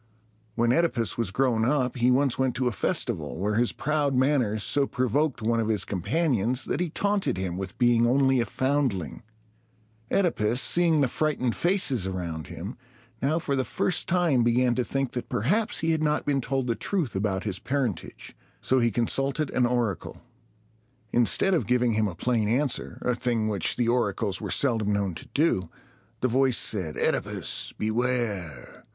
When OEdipus was grown up, he once went to a festival, where his proud manners so provoked one of his companions, that he taunted him with being only a foundling. OEdipus, seeing the frightened faces around him, now for the first time began to think that perhaps he had not been told the truth about his parentage. So he consulted an oracle. Instead of giving him a plain answer, a thing which the oracles were seldom known to do, the voice said, "OEdipus, beware!